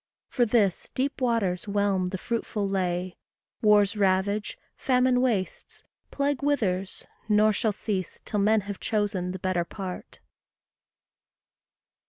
For this, deep waters whelm the fruitful lea, Wars ravage, famine wastes, plague withers, nor Shall cease till men have chosen the better part.